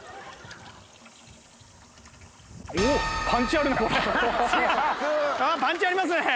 あパンチありますね！